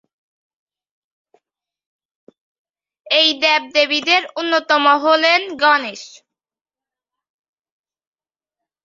এই দেবদেবীদের অন্যতম হলেন গণেশ।